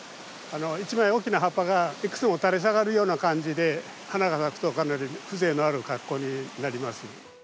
一枚大きな葉っぱがいくつも垂れ下がるような感じで花が咲くとかなり風情のある格好になります。